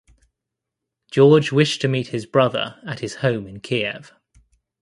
George wished to meet his brother at his home in Kiev.